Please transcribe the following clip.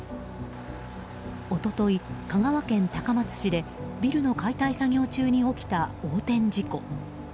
一昨日、香川県高松市でビルの解体作業中に起きた横転事故。